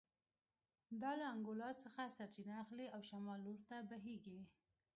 دا له انګولا څخه سرچینه اخلي او شمال لور ته بهېږي